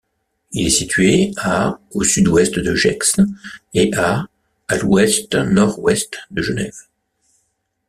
Il est situé à au sud-ouest de Gex et à à l'ouest-nord-ouest de Genève.